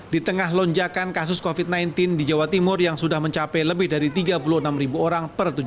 di tengah lonjakan kasus covid sembilan belas di jawa timur yang sudah mencapai lebih dari tiga puluh enam ribu orang per tujuh puluh